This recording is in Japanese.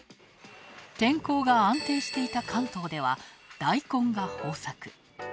天候が安定していた関東ではダイコンが豊作。